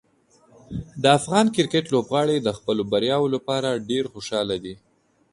د افغان کرکټ لوبغاړي د خپلو بریاوو لپاره ډېر خوشحاله دي.